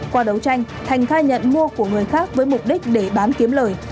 qua đấu tranh thành khai nhận mua của người khác với mục đích để bán kiếm lời